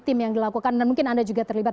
tim yang dilakukan dan mungkin anda juga terlibat